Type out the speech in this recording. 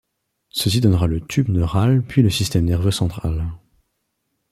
Ceci donnera le tube neural puis le système nerveux central.